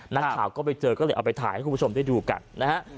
นักข่าวก็ไปเจอก็เลยเอาไปถ่ายให้คุณผู้ชมได้ดูกันนะฮะ